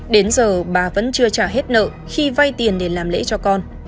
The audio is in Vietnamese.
đến giờ bà vẫn chưa trả hết nợ khi vay tiền để làm lễ cho con